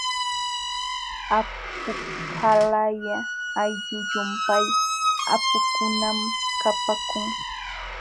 Apuqalaya ayllu llumpay apukunam kapaakun.